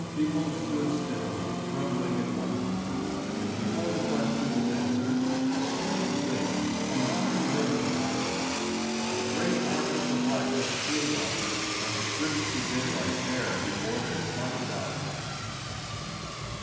People stood still, trembling and wondering. And before the question was answered, a strange thing, a modern miracle happened. A great arc of the blackness peeled off and stripped the daylight bare before their startled eyes.